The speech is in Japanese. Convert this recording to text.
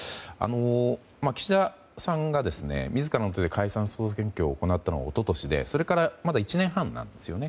岸田さんが自らのことで解散・総選挙を行ったのは一昨年でそれから１年半なんですね。